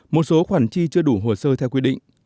một số khoản chi chưa đủ hồ sơ theo quy định